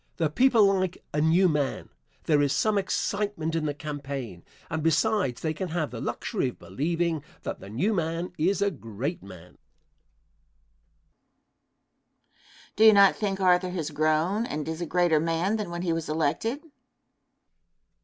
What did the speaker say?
The people like a new man. There is some excitement in the campaign, and besides they can have the luxury of believing that the new man is a great man. Question. Do you not think Arthur has grown and is a greater man than when he was elected?